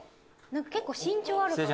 結構身長あるから。